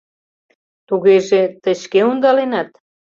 — Тугеже, тый шке ондаленат?